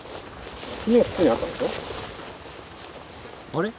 あれ？